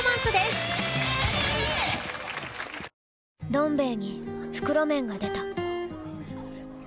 「どん兵衛」に袋麺が出た